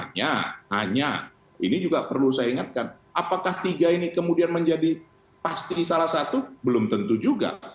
nah hanya ini juga perlu saya ingatkan apakah tiga ini kemudian menjadi pasti salah satu belum tentu juga